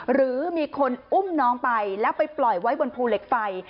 หรือมีคนอุ้มน้องไปแล้วไปปล่อยไว้บนภูเหล็กไฟ